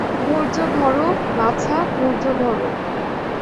ধৈর্য ধরো, বাছা, ধৈর্য ধরো।